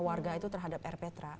warga itu terhadap rptra